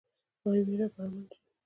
آیا ویره به امن شي؟